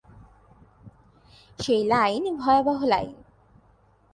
সেই লাইন ভয়াবহ লাইন।